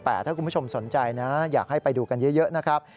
แต่ถ้าคุณผู้ชมสนใจนะอยากให้ไปดูกันเยอะนะครับ